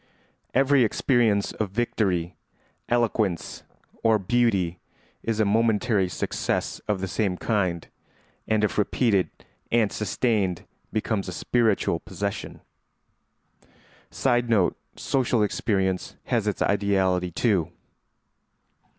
Every experience of victory, eloquence, or beauty is a momentary success of the same kind, and if repeated and sustained becomes a spiritual possession. [Sidenote: Social experience has its ideality too.